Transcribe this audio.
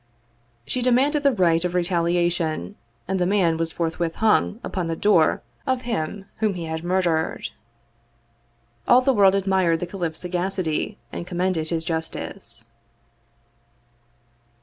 She demanded the right of retaliation, and the man was forthwith hung upon the door of him whom he had mur dered. All the world admired the caliph's sagacity and com mended his justice.